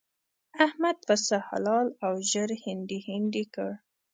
احمد پسه حلال او ژر هنډي هنډي کړ.